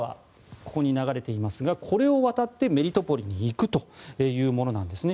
ここに流れていますがこれを渡ってメリトポリに行くというものなんですね。